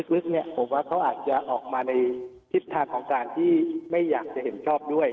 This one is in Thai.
ลึกเนี่ยผมว่าเขาอาจจะออกมาในทิศทางของการที่ไม่อยากจะเห็นชอบด้วย